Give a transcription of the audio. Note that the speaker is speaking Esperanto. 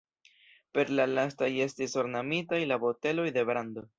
Per la lastaj estis ornamitaj la boteloj de brando.